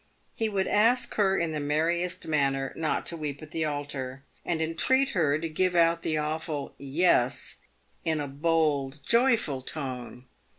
He would ask her in the merriest manner not to weep at the altar, and entreat her to give out the awful " Yes" in a bold, joyful tone.